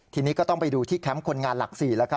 ทีนี้ก็ต้องไปดูที่แคมป์คนงานหลัก๔แล้วครับ